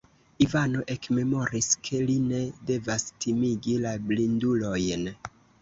Ivano ekmemoris, ke li ne devas timigi la blindulojn.